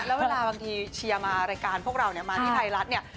แล้วเวลาบางทีเชียร์มารายการพวกเราเนี่ยมาที่ไทยรัฐเนี่ย